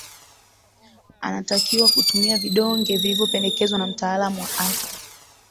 anatakiwa kutumia vidonge vilivyopendekezwa na mtaalamu wa afya